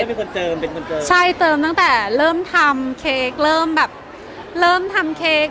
เป็นคนเติมเป็นคนเติมใช่เติมตั้งแต่เริ่มทำเค้กเริ่มแบบเริ่มทำเค้ก